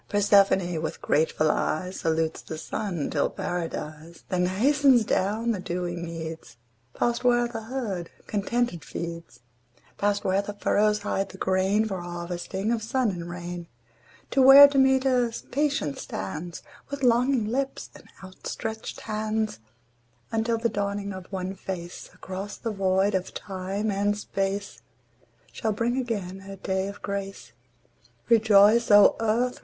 Persephone with grateful eyes Salutes the Sun—'tis Paradise: Then hastens down the dewy meads, Past where the herd contented feeds, Past where the furrows hide the grain, For harvesting of sun and rain; To where Demeter patient stands With longing lips and outstretched hands, Until the dawning of one face Across the void of time and space Shall bring again her day of grace. Rejoice, O Earth!